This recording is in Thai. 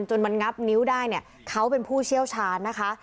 จนมันงับนิ้วได้เนี่ยเขาเป็นผู้เชี่ยวชาญนะคะ